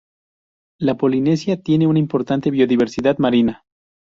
La Polinesia tiene una importante biodiversidad marina.